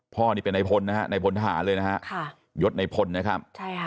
พ่อนี่เป็นในพลนะฮะในพลทหารเลยนะฮะค่ะยศในพลนะครับใช่ค่ะ